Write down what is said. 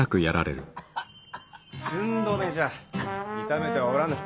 寸止めじゃ痛めてはおらぬ。